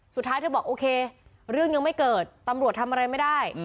สุดท้ายเธอบอกโอเคเรื่องยังไม่เกิดตำรวจทำอะไรไม่ได้